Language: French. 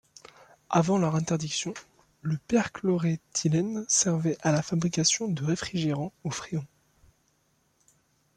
Avant leur interdiction, le perchloroéthylène servait à la fabrication de réfrigérants au fréon.